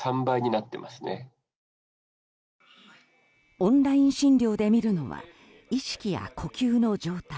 オンライン診療で診るのは意識や呼吸の状態